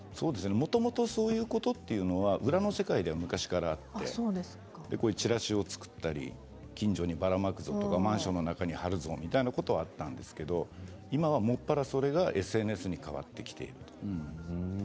もともと、そういうことは裏の世界では昔からあってチラシを作ったり近所にばらまくぞとかマンションの中に貼るぞみたいなことはあったんですけれど今もそれがＳＮＳに変わっているということなんです。